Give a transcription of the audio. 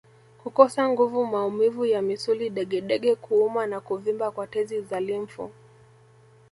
Kukosa nguvu maumivu ya misuli degedege kuuma na kuvimba kwa tezi za limfu